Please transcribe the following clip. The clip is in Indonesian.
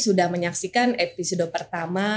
sudah menyaksikan episode pertama